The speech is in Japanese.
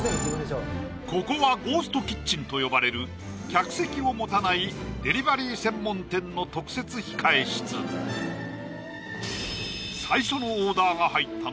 ここはゴーストキッチンと呼ばれる客席を持たないデリバリー専門店の特設控え室おっあっ来た！